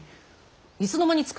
いつの間に作った？